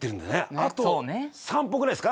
あと３歩ぐらいですか？